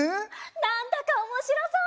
なんだかおもしろそう！